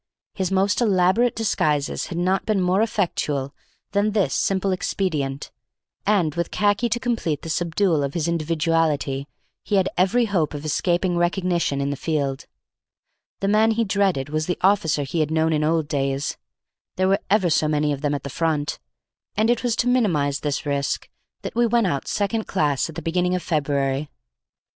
His most elaborate disguises had not been more effectual than this simple expedient, and, with khaki to complete the subdual of his individuality, he had every hope of escaping recognition in the field. The man he dreaded was the officer he had known in old days; there were ever so many of him at the Front; and it was to minimize this risk that we went out second class at the beginning of February.